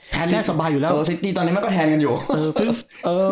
แทนแน่สบายอยู่แล้วตัวตอนนี้มันก็แทนกันอยู่เออเอ่อ